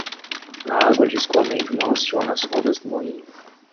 A água de escoamento não aciona as rodas do moinho.